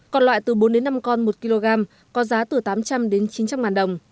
còn loại từ bốn năm con một kg có giá từ tám trăm linh chín trăm linh ngàn đồng